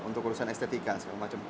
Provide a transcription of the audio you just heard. untuk urusan estetika segala macam